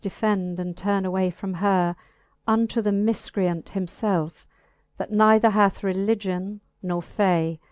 defend, and turne away From her, unto the mifcreant him felfe. That neither hath religion nor fay.